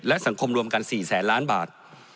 และสังคมรวมกัน๔แสนล้านบาท